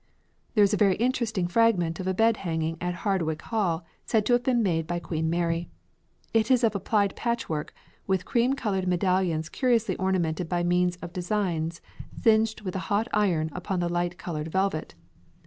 There is a very interesting fragment of a bed hanging at Hardwick Hall said to have been made by Queen Mary. It is of applied patchwork, with cream coloured medallions curiously ornamented by means of designs singed with a hot iron upon the light coloured velvet.